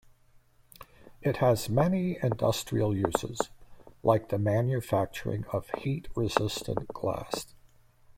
It has many industrial uses, like the manufacturing of heat resistant glass.